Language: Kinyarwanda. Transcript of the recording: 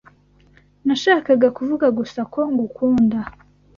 Nashakaga kuvuga gusa ko ngukunda.